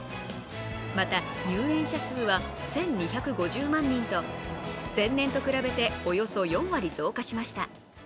また、入園者数は１２５０万人と前年と比べておよそ４割増加しました。